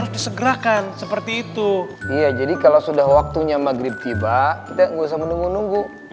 harus disegerakan seperti itu iya jadi kalau sudah waktunya maghrib tiba kita nggak usah menunggu nunggu